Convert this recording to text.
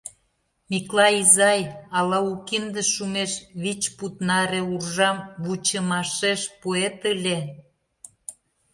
— Миклай изай, ала, у кинде шумеш, вич пуд наре уржам вучымашеш пуэт ыле?